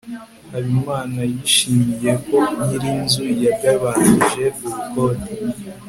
habimana yishimiye ko nyir'inzu yagabanije ubukode